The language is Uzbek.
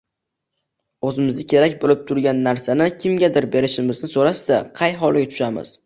o‘zimizga kerak bo‘lib turgan narsani kimgadir berishimizni so‘rashsa, qay holga tushamiz?